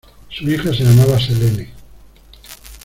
Su hija se llamaba Selene.